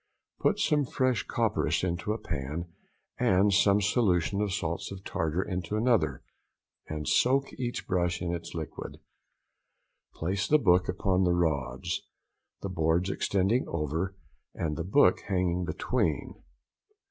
Put some fresh copperas into a pan, and some solution of salts of tartar into another, and soak each brush in its liquid. Place the book upon the rods, the boards extending over and the book hanging between.